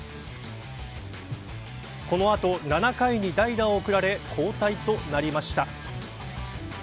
この後７回に代打を送られ交代となりました。